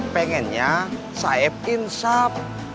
pengennya saeb insap